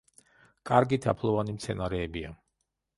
კარგი თაფლოვანი მცენარეებია.